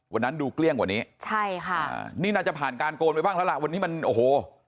วันนั้นดูเกลี้ยงกว่านี้ใช่ค่ะนี่น่าจะผ่านการโกนไปบ้างแล้วล่ะวันนี้มันโอ้โห